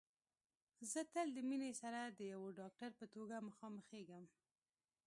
زه تل د مينې سره د يوه ډاکټر په توګه مخامخېږم